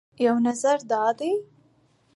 یو نظر دا دی